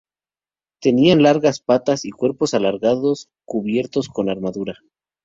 Tenían largas patas y cuerpos alargados cubiertos con armadura.